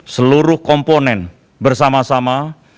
seluruh komponen bersama sama